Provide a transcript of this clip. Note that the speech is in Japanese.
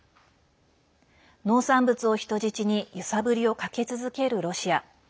農産物を人質に揺さぶりをかけ続けるロシア。